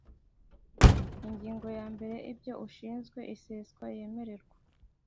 Ingingo ya mbere Ibyo ushinzwe iseswa yemererwa